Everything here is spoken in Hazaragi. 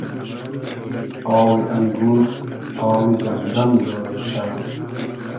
آوی انگور آوی زئم زئم جۉر موشۂ